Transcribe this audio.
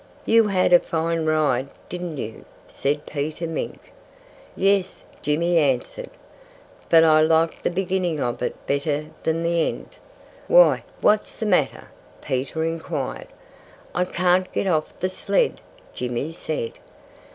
"You had a fine ride, didn't you?" said Peter Mink. "Yes," Jimmy answered. "But I liked the beginning of it better than the end." "Why, what's the matter?" Peter inquired. "I can't get off the sled," Jimmy said.